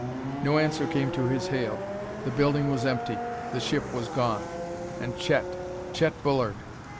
No answer came to his hail. The building was empty; the ship was gone. And Chet! Chet Bullard!...